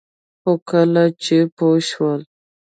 خو کله چې پوه شول